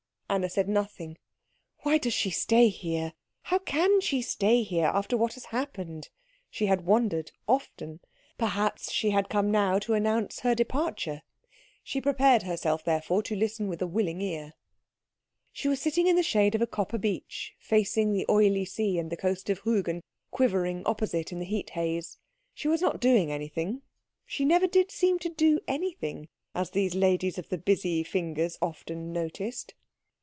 Anna said nothing. "Why does she stay here? How can she stay here, after what has happened?" she had wondered often. Perhaps she had come now to announce her departure. She prepared herself therefore to listen with a willing ear. She was sitting in the shade of a copper beech facing the oily sea and the coast of Rügen quivering opposite in the heat haze. She was not doing anything; she never did seem to do anything, as these ladies of the busy fingers often noticed.